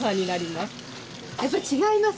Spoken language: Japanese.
やっぱり違います？